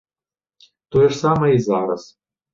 Тое ж самае і зараз.